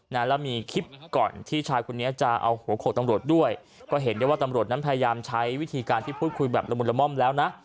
แล้วมีคลิปก่อนที่ชายคนนี้จะเอาหัวโขกตำรวจด้วยก็เห็นได้ว่าตำรวจนั้นพยายามใช้วิธีการที่พูดคุยแบบละมุนละม่อมแล้วนะ